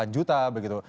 lima delapan juta begitu